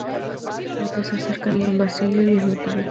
Los que se acercan son Basilio y el notario.